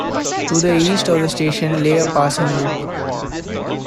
To the east of the station lay a passing loop.